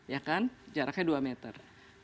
ya kan jaraknya dua meter